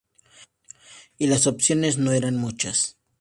Y las opciones no eran muchas.